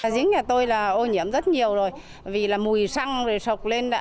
giếng nhà tôi là ô nhiễm rất nhiều rồi vì là mùi xăng rồi sọc lên